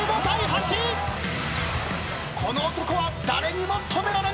この男は誰にも止められない！